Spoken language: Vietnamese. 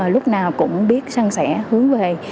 lúc nào cũng biết săn sẻ hướng về